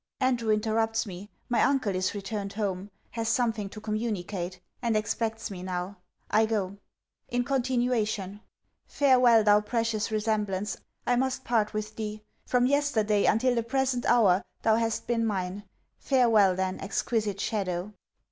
Andrew interrupts me. My uncle is returned home; has something to communicate; and expects me now. I go. In continuation. Farewel, thou precious resemblance I must part with thee. From yesterday, until the present hour, thou hast been mine. Farewel, then, exquisite shadow!